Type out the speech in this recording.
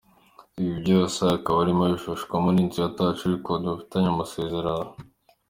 Ibi byose akaba arimo abifashwamo n’inzu ya Touch record bafitanye amasezerano.